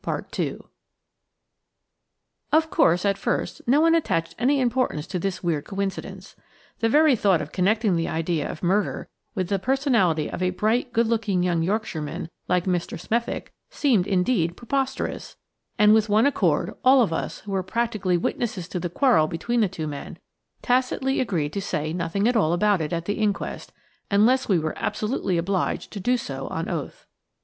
2 OF course, at first, no one attached any importance to this weird coincidence. The very thought of connecting the idea of murder with that of the personality of a bright, good looking young Yorkshireman like Mr. Smethick seemed, indeed, preposterous, and with one accord all of us who were practically witnesses to the quarrel between the two men, tacitly agreed to say nothing at all about it at the inquest, unless we were absolutely obliged to do so on oath.